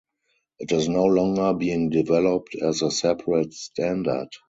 It is no longer being developed as a separate standard.